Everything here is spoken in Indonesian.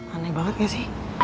aneh banget gak sih